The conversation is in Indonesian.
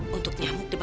dia akan kembali ke rumah